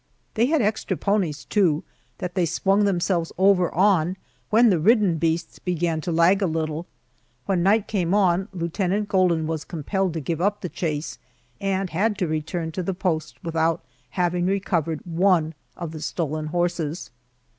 They had extra ponies, too, that they swung themselves over on when the ridden beasts began to lag a little. When night came on Lieutenant Golden was compelled to give up the chase, and had to return to the post without having recovered one of the stolen horses.